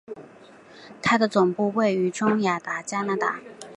它的总部位于中亚雅加达。